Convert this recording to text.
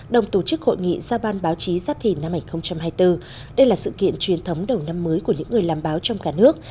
đồng tổ chức hội nghị ra ban báo chí giáp thìn năm hai nghìn hai mươi bốn đây là sự kiện truyền thống đầu năm mới của những người làm báo trong cả nước